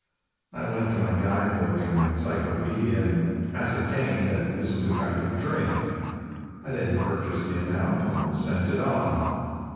I went to my guide book and encyclopoedia and ascertained that this was a kind of drink. I then purchased the amount and sent it on.